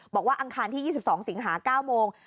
อังคารที่๒๒สิงหา๙โมง